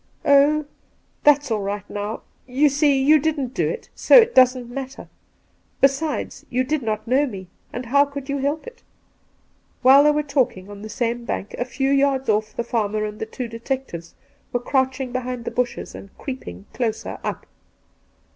' Oh, that's all right now — you see, you didn't do it, so it doesn't matter ; besides, you did not know me, and how could you help it V WhUe they were talking, on the same bank, a few yards off, the farmer and the two detectives were crouching behind the bushes and creeping closer up.